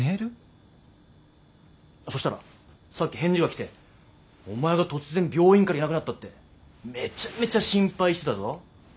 そしたらさっき返事が来てお前が突然病院からいなくなったってめちゃめちゃ心配してたぞ。